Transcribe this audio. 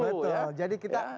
betul jadi kita